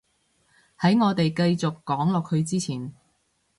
喺我哋繼續講落去之前